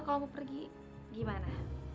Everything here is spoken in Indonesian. kalau mau pergi gimana